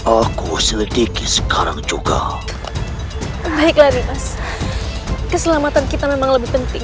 aku sedikit sekarang juga baiklah dikasih keselamatan kita memang lebih penting